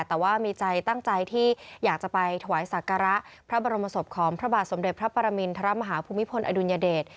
แต่ว่ามีใจตั้งใจที่อยากจะไปถวายศักระพระบรมศพของพระบาทสมเด็จพระปรมินทรมาฮาภูมิพลอดุลยเดช